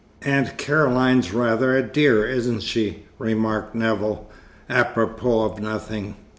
"Aunt Caroline's rather a dear, isn't she?" remarked Nevill, apropos of nothing.